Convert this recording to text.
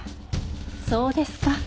そうですか。